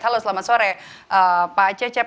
halo selamat sore pak cecep